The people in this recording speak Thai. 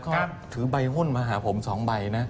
เขาถือใบหุ้นมาหาผม๒ใบนะ